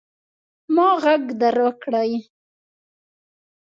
ما ږغ در وکړئ.